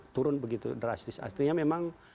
turun begitu drastis artinya memang